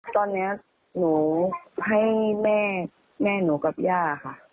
ตอนนี้หนูให้แม่หนูกับย่าค่ะ